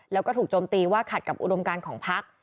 แล้วก็ถูกโจมตีว่าขัดกับอุดมการของพัก